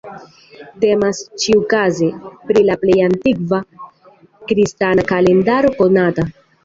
Temas, ĉiukaze, pri la plej antikva kristana kalendaro konata.